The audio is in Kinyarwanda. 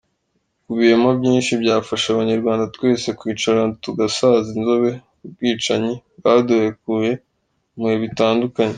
Ikubiyemo byinshi byafasha Abanyarwanda twese kwicarana tugasasa inzobe ku bwicanyi bwaduhekuye mu bihe bitandukanye.